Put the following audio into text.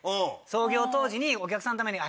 創業当時にお客さんのために